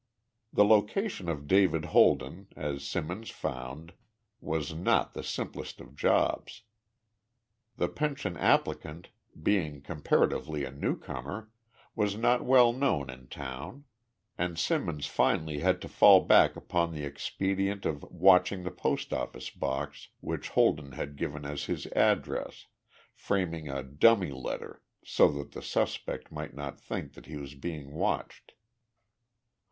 The location of David Holden, as Simmons found, was not the simplest of jobs. The pension applicant, being comparatively a newcomer, was not well known in town, and Simmons finally had to fall back upon the expedient of watching the post office box which Holden had given as his address, framing a dummy letter so that the suspect might not think that he was being watched.